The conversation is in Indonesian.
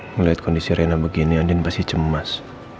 ngeliat kondisi rina begini andin pasti cemas